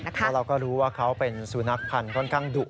เพราะเราก็รู้ว่าเขาเป็นสุนัขพันธ์ค่อนข้างดุ